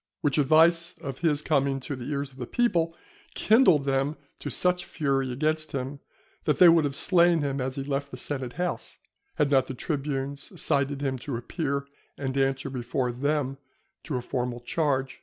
Which advice of his coming to the ears of the people, kindled them to such fury against him, that they would have slain him as he left the Senate House, had not the tribunes cited him to appear and answer before them to a formal charge.